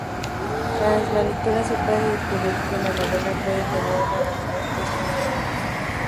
Tras la lectura se puede descubrir que la novela puede tener una validez testimonia.